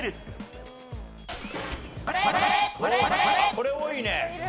これ多いね。